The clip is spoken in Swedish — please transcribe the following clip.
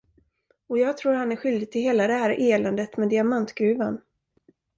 Och jag tror han är skyldig till hela det här eländet med diamantgruvan.